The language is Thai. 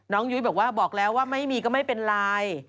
ยุ้ยบอกว่าบอกแล้วว่าไม่มีก็ไม่เป็นไร